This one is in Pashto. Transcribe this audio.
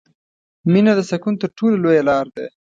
• مینه د سکون تر ټولو لویه لاره ده.